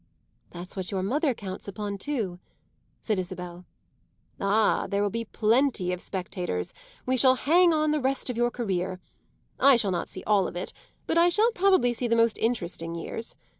"That's what your mother counts upon too," said Isabel. "Ah, there will be plenty of spectators! We shall hang on the rest of your career. I shall not see all of it, but I shall probably see the most interesting years.